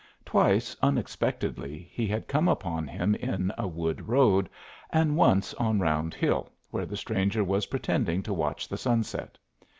Twice, unexpectedly, he had come upon him in a wood road and once on Round Hill where the stranger was pretending to watch the sunset.